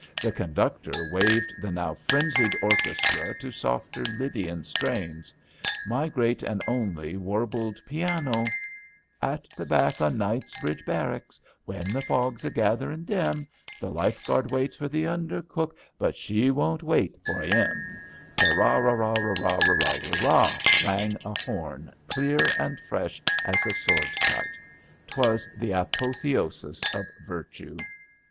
The conductor waved the now frenzied orchestra to softer Lydian strains. My Great and Only warbled piano : MY GREAT AND ONLY 271 '^ At the back o' Eiiightsbridge Barricks, When the fog's a gatherin' dim, The Lifeguard waits for the Undercook, But she won't wait for 'im/' ^* Ta ra rarorrara rarra raht " rang a horn clear and fresh as a sword cut. 'Twas the apo theosis of virtue.